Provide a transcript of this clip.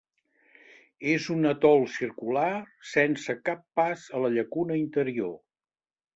És un atol circular sense cap pas a la llacuna interior.